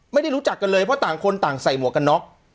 ไม่ได้รู้จักกันเลยเพราะต่างคนต่างใส่หมวกกันน็อก